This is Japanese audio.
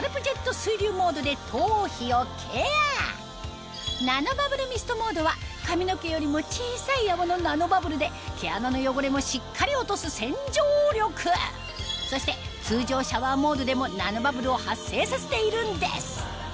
水流モードで頭皮をケアナノバブルミストモードは髪の毛よりも小さい泡のナノバブルで毛穴の汚れもしっかり落とす洗浄力そして通常シャワーモードでもナノバブルを発生させているんです